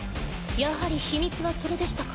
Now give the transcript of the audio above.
やはり秘密はそれでしたか。